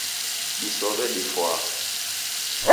Diw'ose difwaa